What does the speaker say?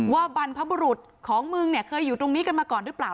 บรรพบุรุษของมึงเนี่ยเคยอยู่ตรงนี้กันมาก่อนหรือเปล่า